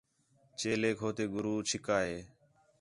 چیلیک ہو تے گُرو چِھکا ہِے